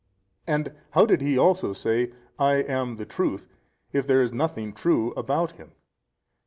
And how did He also say, I am the Truth, if there is nothing true about Him?